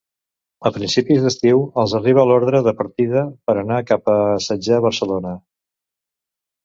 A principis d'estiu, els arriba l'ordre de partida per anar cap a assetjar Barcelona.